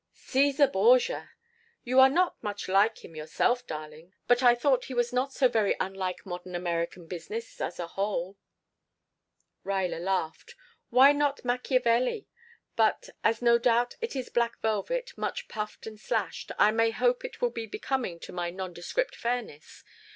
"Caesar Borgia. You are not much like him yourself, darling, but I thought he was not so very unlike modern American business, as a whole." Ruyler laughed. "Why not Machiavelli? But as no doubt it is black velvet, much puffed and slashed, I may hope it will be becoming to my nondescript fairness.